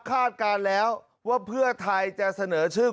คาดการณ์แล้วว่าเพื่อไทยจะเสนอชื่อ